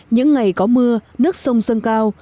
những ngày có mưa nước sông sân cao